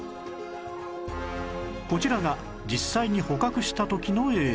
こちらが実際に捕獲した時の映像